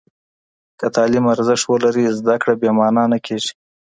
که تعلیم ارزښت ولري، زده کړه بې معنا نه کېږي.